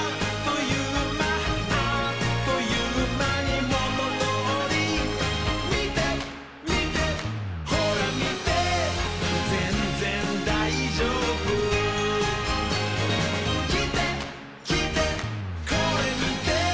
「あっというまにもとどおり」「みてみてほらみて」「ぜんぜんだいじょうぶ」「きてきてこれみて」